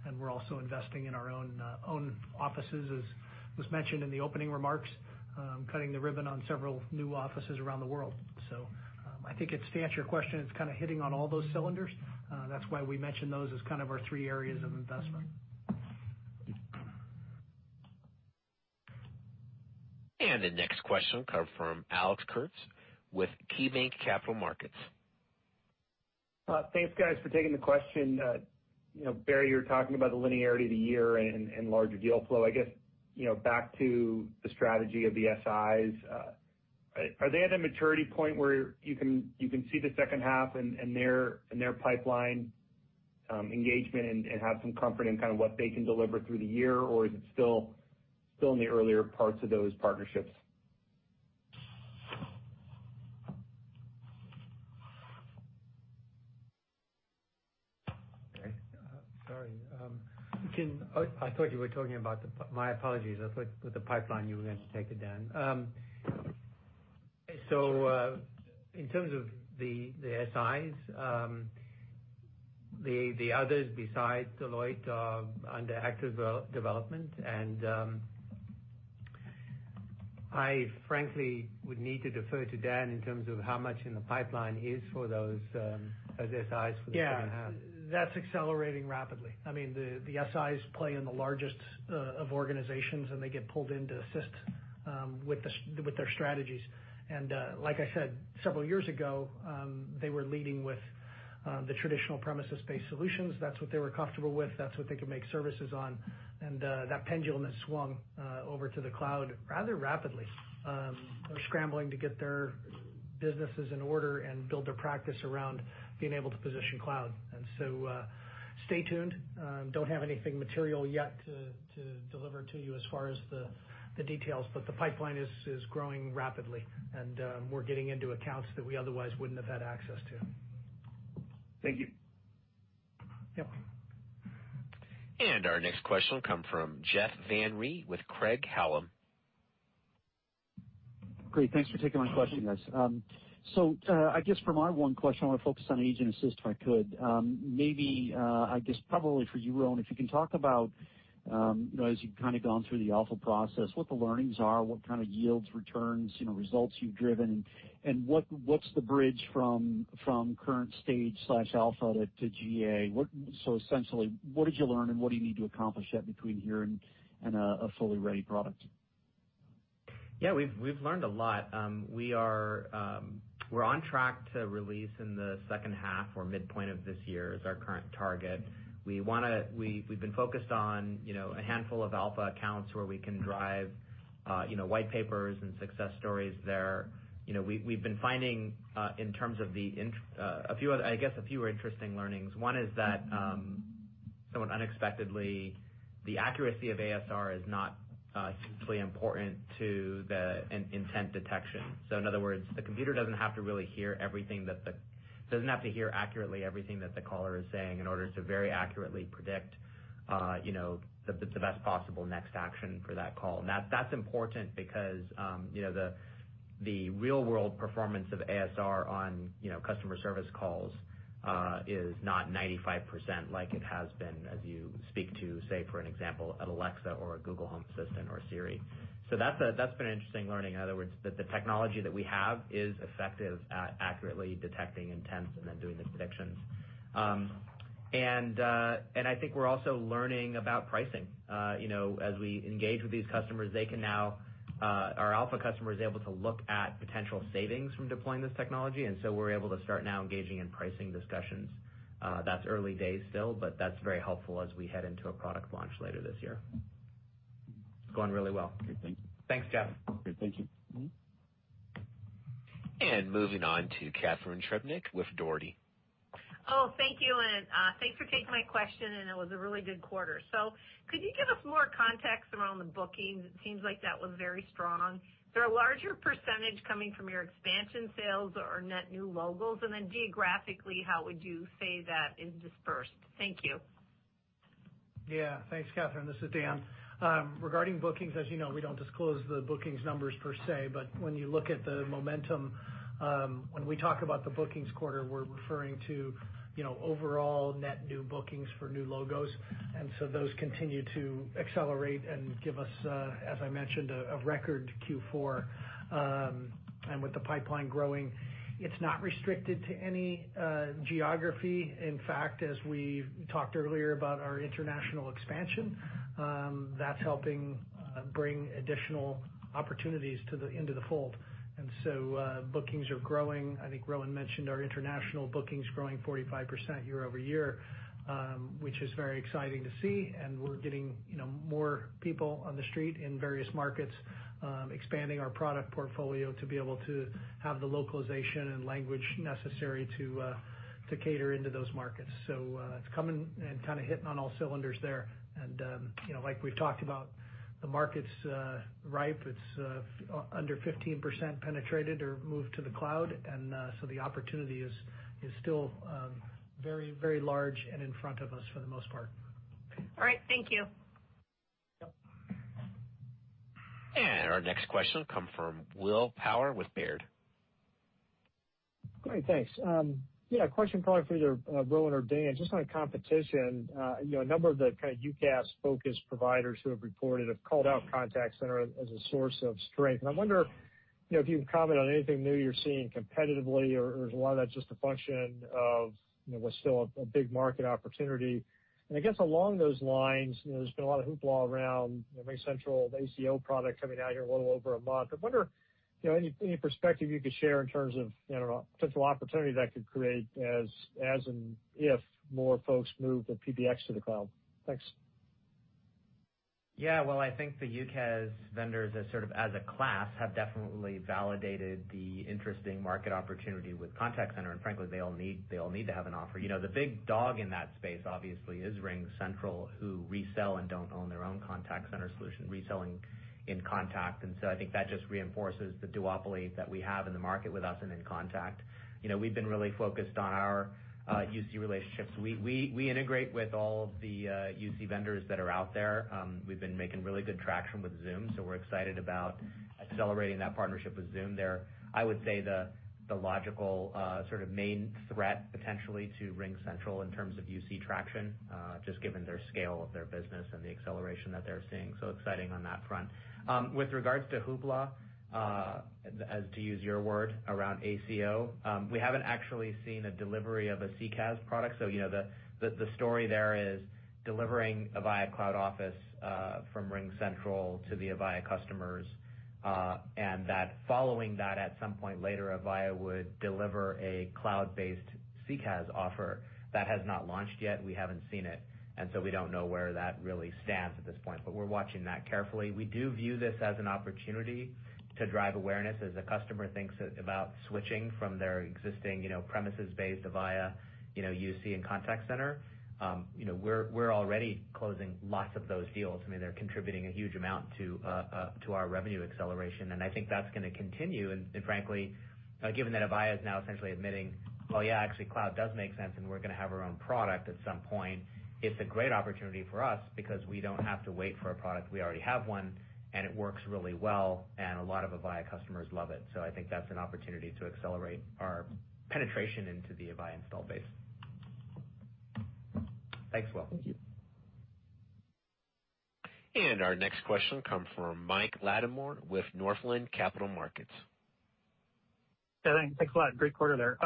and we're also investing in our own offices, as was mentioned in the opening remarks, cutting the ribbon on several new offices around the world. I think to answer your question, it's kind of hitting on all those cylinders. That's why we mention those as kind of our three areas of investment. The next question will come from Alex Kurtz with KeyBanc Capital Markets. Thanks, guys, for taking the question. Barry, you're talking about the linearity of the year and larger deal flow. I guess, back to the strategy of the SIs. Are they at a maturity point where you can see the second half and their pipeline engagement and have some comfort in what they can deliver through the year? Is it still in the earlier parts of those partnerships? Sorry. I thought you were talking about. My apologies. I thought with the pipeline, you were going to take it, Dan. In terms of the SIs, the others besides Deloitte are under active development, and I frankly would need to defer to Dan in terms of how much in the pipeline is for those SIs for the second half. Yeah. That's accelerating rapidly. I mean, the SIs play in the largest of organizations, and they get pulled in to assist with their strategies. Like I said, several years ago, they were leading with the traditional premises-based solutions. That's what they were comfortable with. That's what they could make services on. That pendulum has swung over to the cloud rather rapidly. They're scrambling to get their businesses in order and build their practice around being able to position cloud. Stay tuned. Don't have anything material yet to deliver to you as far as the details, but the pipeline is growing rapidly, and we're getting into accounts that we otherwise wouldn't have had access to. Thank you. Yep. Our next question will come from Jeff Van Rhee with Craig-Hallum. Great. Thanks for taking my question, guys. I guess for my one question, I want to focus on Agent Assist, if I could. Maybe, I guess probably for you, Rowan, if you can talk about, as you've gone through the alpha process, what the learnings are, what kind of yields, returns, results you've driven, and what's the bridge from current stage/alpha to GA. Essentially, what did you learn, and what do you need to accomplish that between here and a fully ready product? Yeah, we've learned a lot. We're on track to release in the second half or midpoint of this year is our current target. We've been focused on a handful of alpha accounts where we can drive white papers and success stories there. We've been finding, I guess, a few interesting learnings. One is that, somewhat unexpectedly, the accuracy of ASR is not simply important to the intent detection. In other words, the computer doesn't have to hear accurately everything that the caller is saying in order to very accurately predict the best possible next action for that call. That's important because the real-world performance of ASR on customer service calls is not 95% like it has been, as you speak to, say, for an example, an Alexa or a Google Home assistant or a Siri. That's been an interesting learning. In other words, that the technology that we have is effective at accurately detecting intents and then doing the predictions. I think we're also learning about pricing. As we engage with these customers, our alpha customer is able to look at potential savings from deploying this technology, and so we're able to start now engaging in pricing discussions. That's early days still, but that's very helpful as we head into a product launch later this year. It's going really well. Okay, thank you. Thanks, Jeff. Okay, thank you. Moving on to Catharine Trebnick with Dougherty. Oh, thank you. Thanks for taking my question, it was a really good quarter. Could you give us more context around the bookings? It seems like that was very strong. Is there a larger percentage coming from your expansion sales or net new logos? Then geographically, how would you say that is dispersed? Thank you. Thanks, Catharine. This is Dan. Regarding bookings, as you know, we don't disclose the bookings numbers per se, but when you look at the momentum, when we talk about the bookings quarter, we're referring to overall net new bookings for new logos. Those continue to accelerate and give us, as I mentioned, a record Q4. With the pipeline growing, it's not restricted to any geography. As we talked earlier about our international expansion, that's helping bring additional opportunities into the fold. Bookings are growing. I think Rowan mentioned our international bookings growing 45% year-over-year, which is very exciting to see. We're getting more people on the street in various markets, expanding our product portfolio to be able to have the localization and language necessary to cater into those markets. It's coming and hitting on all cylinders there. Like we've talked about, the market's ripe. It's under 15% penetrated or moved to the cloud. The opportunity is still very large and in front of us for the most part. All right. Thank you. Yep. Our next question come from Will Power with Baird. Great. Thanks. Yeah, a question probably for either Rowan or Dan, just on competition. A number of the UCaaS-focused providers who have reported have called out contact center as a source of strength. I wonder if you can comment on anything new you're seeing competitively or is a lot of that just a function of what's still a big market opportunity. I guess along those lines, there's been a lot of hoopla around RingCentral ACO product coming out here a little over a month. I wonder any perspective you could share in terms of potential opportunity that could create as and if more folks move the PBX to the cloud. Thanks. Well, I think the UCaaS vendors as a class have definitely validated the interesting market opportunity with contact center, and frankly, they all need to have an offer. The big dog in that space obviously is RingCentral, who resell and don't own their own contact center solution, reselling inContact. I think that just reinforces the duopoly that we have in the market with us and inContact. We've been really focused on our UC relationships. We integrate with all of the UC vendors that are out there. We've been making really good traction with Zoom, we're excited about accelerating that partnership with Zoom there. I would say the logical main threat potentially to RingCentral in terms of UC traction, just given their scale of their business and the acceleration that they're seeing, exciting on that front. With regards to hoopla, as to use your word, around ACO, we haven't actually seen a delivery of a CCaaS product. The story there is delivering Avaya Cloud Office from RingCentral to the Avaya customers. That following that, at some point later, Avaya would deliver a cloud-based CCaaS offer that has not launched yet. We haven't seen it, and so we don't know where that really stands at this point, but we're watching that carefully. We do view this as an opportunity to drive awareness as a customer thinks about switching from their existing premises-based Avaya UC and contact center. We're already closing lots of those deals. They're contributing a huge amount to our revenue acceleration, and I think that's going to continue. Frankly, given that Avaya is now essentially admitting, "Oh, yeah, actually cloud does make sense, and we're going to have our own product at some point," it's a great opportunity for us because we don't have to wait for a product. We already have one, and it works really well, and a lot of Avaya customers love it. I think that's an opportunity to accelerate our penetration into the Avaya install base. Thanks, Will. Thank you. Our next question come from Mike Latimore with Northland Capital Markets. Thanks a lot. Great quarter there.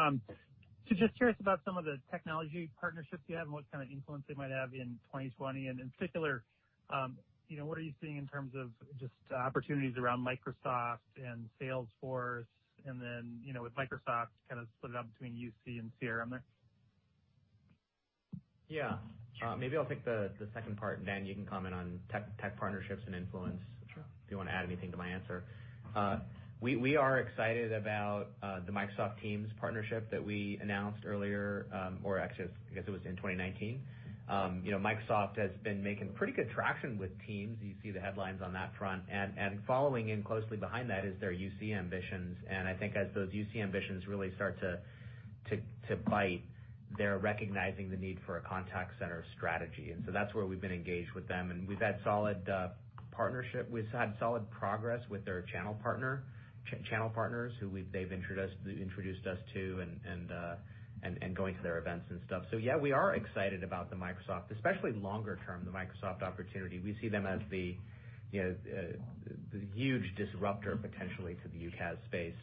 Just curious about some of the technology partnerships you have and what kind of influence they might have in 2020? In particular, what are you seeing in terms of just opportunities around Microsoft and Salesforce and then, with Microsoft, kind of split it up between UC and CRM there? Yeah. Maybe I'll take the second part, and Dan, you can comment on tech partnerships and influence. Sure. If you want to add anything to my answer. We are excited about the Microsoft Teams partnership that we announced earlier, or actually, I guess it was in 2019. Microsoft has been making pretty good traction with Teams. You see the headlines on that front. Following in closely behind that is their UC ambitions. I think as those UC ambitions really start to bite, they're recognizing the need for a contact center strategy. That's where we've been engaged with them, and we've had solid progress with their channel partners who they've introduced us to, and going to their events and stuff. Yeah, we are excited about the Microsoft, especially longer term, the Microsoft opportunity. We see them as the huge disruptor potentially to the UCaaS space,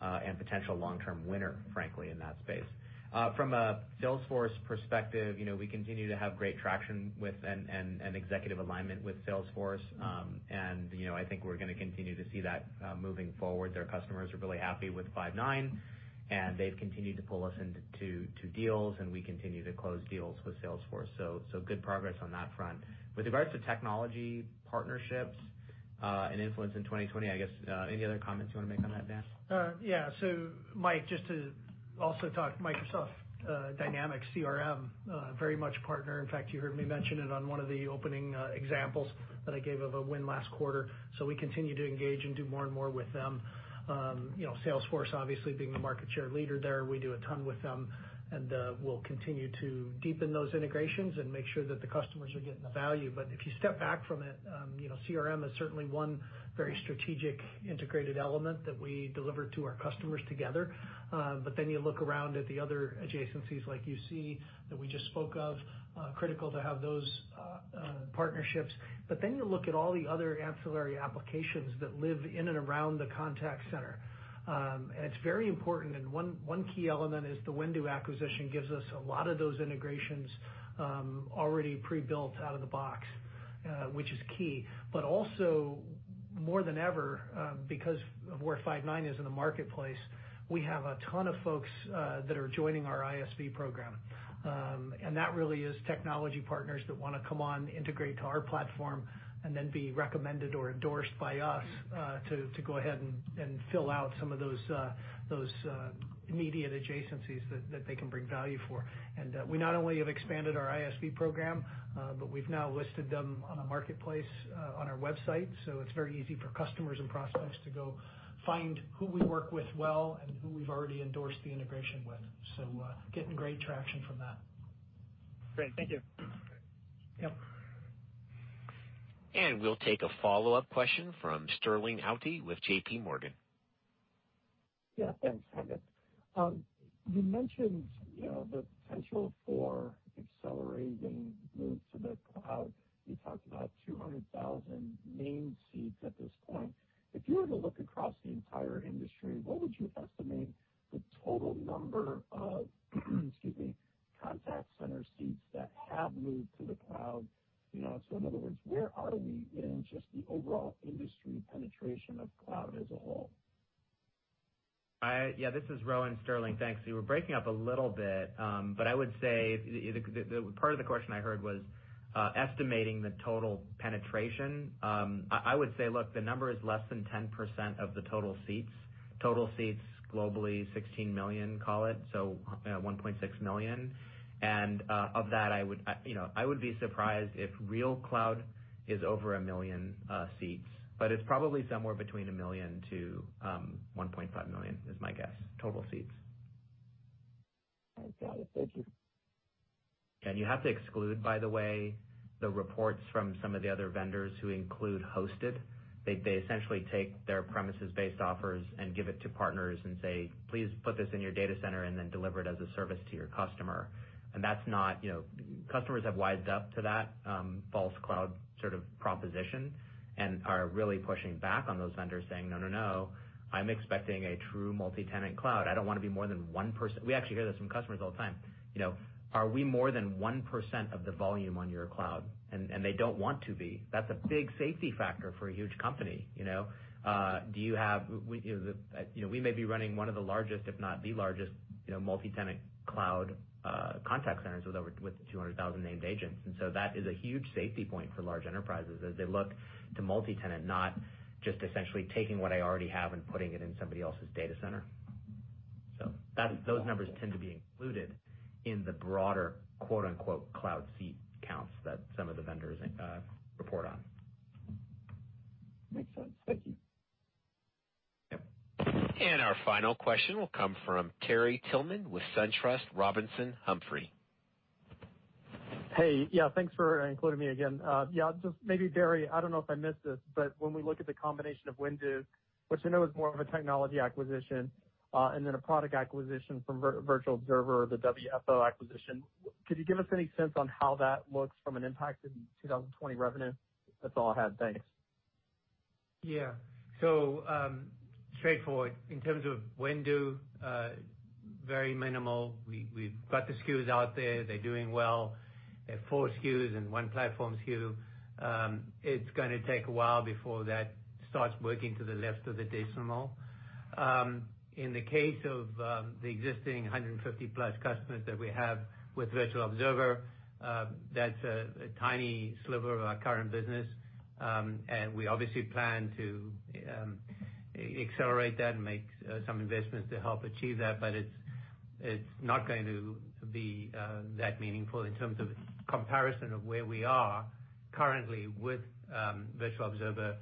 and potential long-term winner, frankly, in that space. From a Salesforce perspective, we continue to have great traction with and executive alignment with Salesforce. I think we're going to continue to see that moving forward. Their customers are really happy with Five9, and they've continued to pull us into deals, and we continue to close deals with Salesforce. Good progress on that front. With regards to technology partnerships and influence in 2020, I guess, any other comments you want to make on that, Dan? Yeah. Mike, just to also talk Microsoft Dynamics CRM, very much partner. In fact, you heard me mention it on one of the opening examples that I gave of a win last quarter. We continue to engage and do more and more with them. Salesforce obviously being the market share leader there, we do a ton with them. We'll continue to deepen those integrations and make sure that the customers are getting the value. If you step back from it, CRM is certainly one very strategic integrated element that we deliver to our customers together. You look around at the other adjacencies, like UC, that we just spoke of, critical to have those partnerships. You look at all the other ancillary applications that live in and around the contact center. It's very important, and one key element is the Whendu acquisition gives us a lot of those integrations already pre-built out of the box, which is key. Also, more than ever, because of where Five9 is in the marketplace, we have a ton of folks that are joining our ISV program. That really is technology partners that want to come on, integrate to our platform, and then be recommended or endorsed by us, to go ahead and fill out some of those immediate adjacencies that they can bring value for. We not only have expanded our ISV program, but we've now listed them on a marketplace on our website, so it's very easy for customers and prospects to go find who we work with well and who we've already endorsed the integration with. Getting great traction from that. Great. Thank you. Yep. We'll take a follow-up question from Sterling Auty with JPMorgan. Yeah, thanks. Hi again. You mentioned the potential for accelerating moves to the cloud. You talked about 200,000 named seats at this point. If you were to look across the entire industry, what would you estimate the total number of, excuse me, contact center seats that have moved to the cloud? In other words, where are we in just the overall industry penetration of cloud as a whole? Yeah, this is Rowan, Sterling. Thanks. You were breaking up a little bit, but I would say, the part of the question I heard was estimating the total penetration. I would say, look, the number is less than 10% of the total seats. Total seats globally, 16 million, call it, so 1.6 million, and of that, I would be surprised if real cloud is over 1 million seats, but it's probably somewhere between 1 million to 1.5 million, is my guess. Total seats. I got it. Thank you. You have to exclude, by the way, the reports from some of the other vendors who include hosted. They essentially take their premises-based offers and give it to partners and say, "Please put this in your data center and then deliver it as a service to your customer." Customers have wised up to that false cloud sort of proposition and are really pushing back on those vendors saying, "No, no. I'm expecting a true multi-tenant cloud. I don't want to be more than 1%." We actually hear this from customers all the time. "Are we more than 1% of the volume on your cloud?" They don't want to be. That's a big safety factor for a huge company. We may be running one of the largest, if not the largest, multi-tenant cloud contact centers with 200,000 named agents. That is a huge safety point for large enterprises as they look to multi-tenant, not just essentially taking what I already have and putting it in somebody else's data center. Those numbers tend to be included in the broader, quote-unquote, cloud seat counts that some of the vendors report on. Makes sense. Thank you. Yep. Our final question will come from Terry Tillman with SunTrust Robinson Humphrey. Hey. Yeah, thanks for including me again. Yeah, just maybe Barry, I don't know if I missed this, but when we look at the combination of Whendu, which I know is more of a technology acquisition, and then a product acquisition from Virtual Observer or the WFO acquisition, could you give us any sense on how that looks from an impact in 2020 revenue? That's all I had. Thanks. Yeah. Straightforward. In terms of Whendu, very minimal. We've got the SKUs out there. They're doing well. They're four SKUs and one platform SKU. It's gonna take a while before that starts working to the left of the decimal. In the case of the existing 150+ customers that we have with Virtual Observer, that's a tiny sliver of our current business. We obviously plan to accelerate that and make some investments to help achieve that, but it's not going to be that meaningful in terms of comparison of where we are currently with Virtual Observer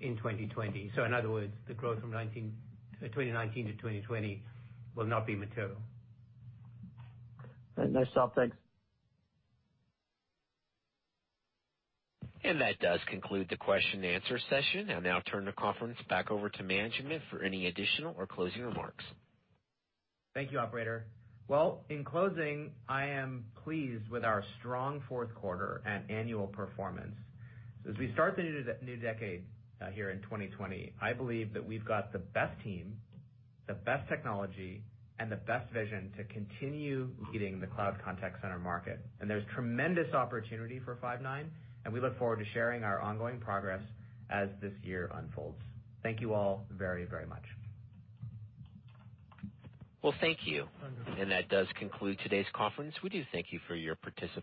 in 2020. In other words, the growth from 2019 to 2020 will not be material. Nice job. Thanks. That does conclude the question-and-answer session. I'll now turn the conference back over to management for any additional or closing remarks. Thank you, operator. Well, in closing, I am pleased with our strong fourth quarter and annual performance. As we start the new decade here in 2020, I believe that we've got the best team, the best technology, and the best vision to continue leading the cloud contact center market. There's tremendous opportunity for Five9, and we look forward to sharing our ongoing progress as this year unfolds. Thank you all very, very much. Well, thank you. That does conclude today's conference. We do thank you for your participation.